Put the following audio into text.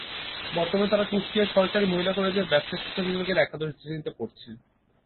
বর্তমানে তারা কুষ্টিয়া সরকারি মহিলা কলেজের ব্যবসায় শিক্ষা বিভাগের একাদশ শ্রেণিতে পড়ছে।